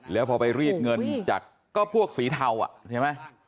แล้วพอไปรีดเงินจากก็พวกสีเทาอ่ะเสม่นวะ